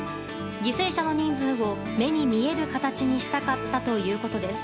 犠牲者の人数を目に見える形にしたかったということです。